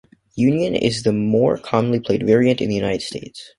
Union is the more commonly played variant in the United States.